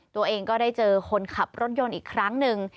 ตัวเองก็ได้เจอคนขับรถยนต์อีกครั้งหนึ่ง